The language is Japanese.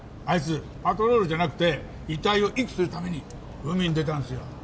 あいつパトロールじゃなくて遺体を遺棄するために海に出たんですよ